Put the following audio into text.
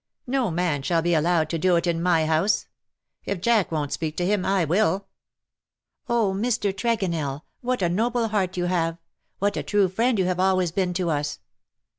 No man shall be allowed to do it in my house. If Jack won't speak to him, I will." " Oh, Mr. Vandeleur, what a noble heart you have — what a true friend you have always been to us.'